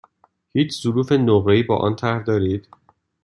هیچ ظروف نقره ای با آن طرح دارید؟